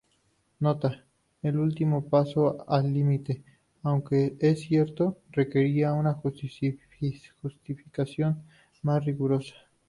Nota: el último paso al límite, aunque es cierto, requeriría una justificación más rigurosa.